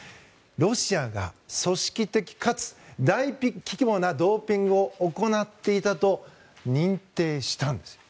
ロシアが組織的かつ大規模なドーピングを行っていたと認定したんですよ。